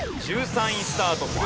１３位スタート。